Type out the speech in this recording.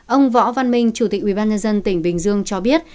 ông võ văn minh chủ tịch ubnd tỉnh bình dương cho biết